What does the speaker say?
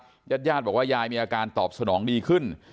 ญาติญาติบอกว่ายายมีอาการตอบสนองดีขึ้น